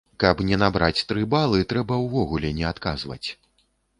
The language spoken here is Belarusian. Каб не набраць тры балы, трэба ўвогуле не адказваць!